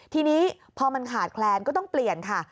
ทีนี้พอมันขาดแคลนก็ต้องเปลี่ยนค่ะ